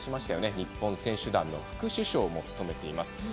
日本選手団の副主将も務めます。